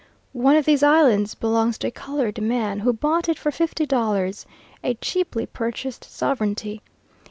One of these islands belongs to a coloured man, who bought it for fifty dollars a cheaply purchased sovereignty.